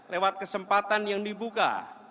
lewat kesempatan yang dibuka